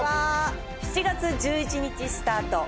７月１１日スタート。